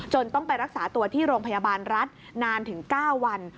ต้องไปรักษาตัวที่โรงพยาบาลรัฐนานถึง๙วัน